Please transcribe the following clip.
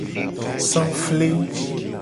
Safle.